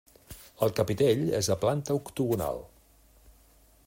El capitell és de planta octogonal.